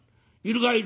『いるかい？』